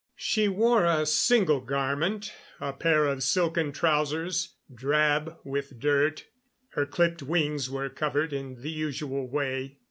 She wore a single garment, a pair of silken trousers, drab with dirt. Her clipped wings were covered in the usual way.